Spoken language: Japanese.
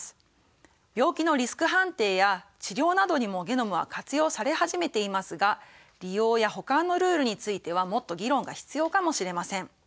病気のリスク判定や治療などにもゲノムは活用され始めていますが利用や保管のルールについてはもっと議論が必要かもしれません。